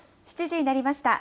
７時になりました。